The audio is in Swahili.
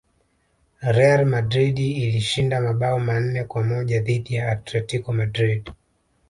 real madrid ilishinda mabao manne kwa moja dhidi ya atletico madrid